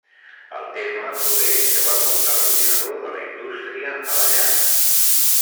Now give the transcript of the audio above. El terme prové que va portar l'ordinador de la indústria a la llar.